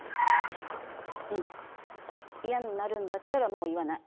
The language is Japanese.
そうかうん、嫌になるんだったらもう言わない。